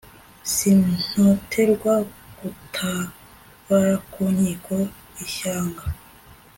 sintoterwa gutabara ku nkiko ishyanga